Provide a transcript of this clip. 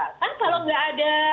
ini maksudnya penggunanya juga begitu ya